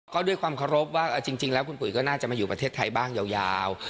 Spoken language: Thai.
ก็ด้วยความเคารพว่าจริงแล้วคุณปุ๋ยก็น่าจะมาอยู่ประเทศไทยบ้างยาว